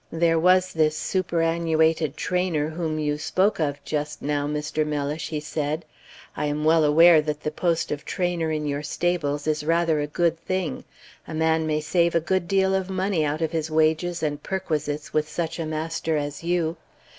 "There was this superannuated trainer whom you spoke of just now, Mr. Mellish," he said. "I am well aware that the post of trainer in your stables is rather a good thing. A man may save a good deal of money out of his wages and perquisites with such a master as you.